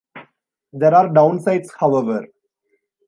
There are downsides, however.